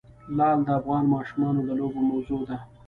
لعل د افغان ماشومانو د لوبو موضوع ده.